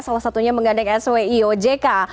salah satunya menggandeng swiojk